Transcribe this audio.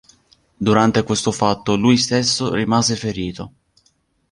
Durante questo fatto lui stesso rimase ferito.